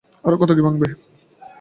আরও কত কী ভাঙবে।